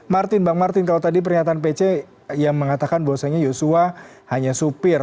martin bang martin kalau tadi pernyataan pc yang mengatakan bahwasannya yosua hanya supir